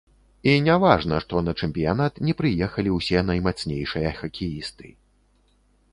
І не важна, што на чэмпіянат не прыехалі ўсе наймацнейшыя хакеісты.